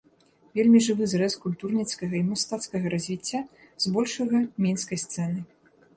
Вельмі жывы зрэз культурніцкага і мастацкага развіцця з большага мінскай сцэны.